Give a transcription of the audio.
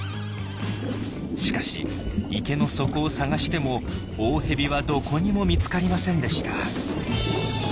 しかし池の底を探しても大蛇はどこにも見つかりませんでした。